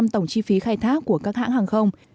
tổng chi phí khai thác của các hãng hàng không